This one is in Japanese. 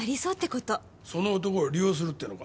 その男を利用するっていうのか？